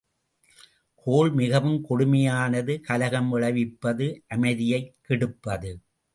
கோள் மிகவும் கொடுமையானது கலகம் விளைவிப்பது அமைதியைக் கெடுப்பது.